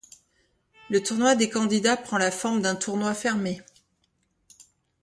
Le tournoi des candidats prend la forme d'un tournoi fermé.